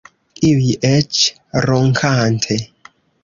Iuj eĉ ronkante.